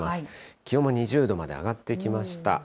気温も２０度まで上がってきました。